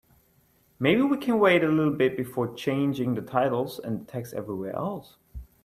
Maybe we can wait a little bit before changing the titles and the text everywhere else?